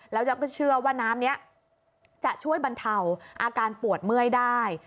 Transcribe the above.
แล้วก็เชื่อว่าน้ำนี้จะช่วยบรรเทาอาการปวดเมื่อยได้